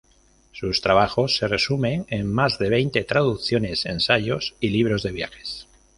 Sus trabajos se resumen en más de veinte traducciones, ensayos y libros de viajes.